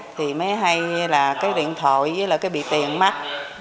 thì mới hay là cái điện thoại với cái bị tiền mắc